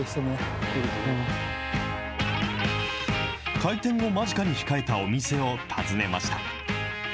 開店を間近に控えたお店を訪ねました。